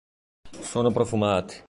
Sono profumati.